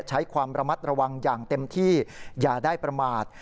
ใช้ความระมัดระวังอย่างเต็มที่อย่าได้ประมาท